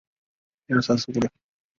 蒙蒂涅。